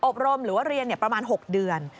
รมหรือว่าเรียนประมาณ๖เดือน